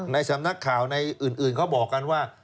สำนักข่าวในอื่นเขาบอกกันว่า